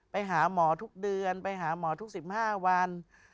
ไปหาหมอทุกเดือนไปหาหมอทุก๑๕วัน